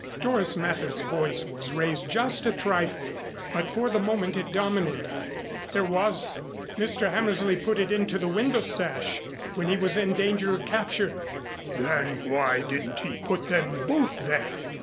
Doris Mather's voice was raised just a trifle, but for the moment it dominated. "There was. Mr. Hammersley put it into the window sash, when he was in danger of capture." "Then why didn't he put them both there?"